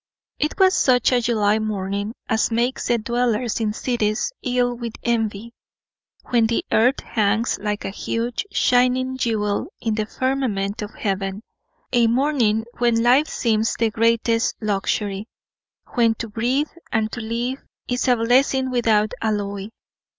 It was such a July morning as makes the dwellers in cities ill with envy when the earth hangs like a huge, shining jewel in the firmament of heaven a morning when life seems the greatest luxury, when to breathe and to live is a blessing without alloy.